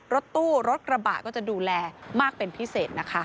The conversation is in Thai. รถตู้รถกระบะก็จะดูแลมากเป็นพิเศษนะคะ